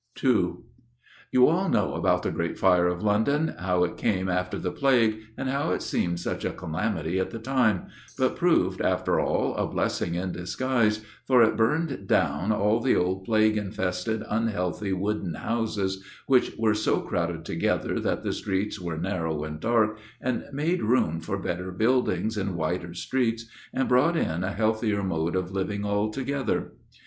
II You all know about the Great Fire of London: how it came after the Plague, and how it seemed such a calamity at the time, but proved, after all, a blessing in disguise, for it burned down all the old plague infested, unhealthy wooden houses, which were so crowded together that the streets were narrow and dark, and made room for better buildings and wider streets, and brought in a healthier mode of living altogether.